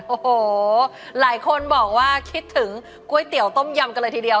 โอ้โหหลายคนบอกว่าคิดถึงก๋วยเตี๋ยวต้มยำกันเลยทีเดียว